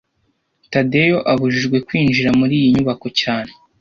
Tadeyo abujijwe kwinjira muri iyi nyubako cyane